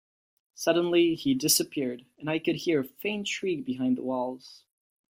Suddenly, he disappeared, and I could hear a faint shriek behind the walls.